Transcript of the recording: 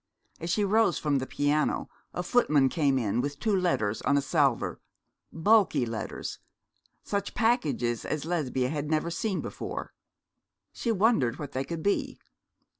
As she rose from the piano a footman came in with two letters on a salver bulky letters, such packages as Lesbia had never seen before. She wondered what they could be.